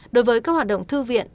đối với các hoạt động thư viện